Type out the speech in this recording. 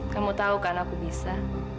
kamu tahu kan aku bisa